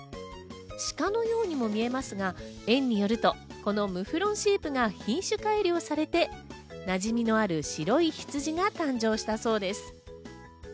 シカのようにも見えますが、園よると、このムフロンシープが品種改良されて、なじみのある白いヒツジが誕生したそうです。